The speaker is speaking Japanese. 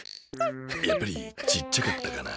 やっぱりちっちゃかったかな。